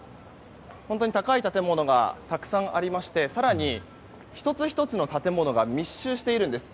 本当に高い建物がたくさんありまして更に、１つ１つの建物が密集しているんです。